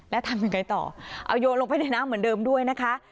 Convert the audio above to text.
แล้วทำยังไงต่อเอาโยนลงไปในน้ำเหมือนเดิมด้วยนะคะ